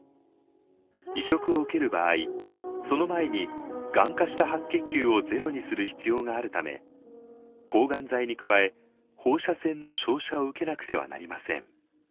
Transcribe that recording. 移植を受ける場合その前にがん化した白血球をゼロにする必要があるため抗がん剤に加え放射線の照射を受けなくてはなりません。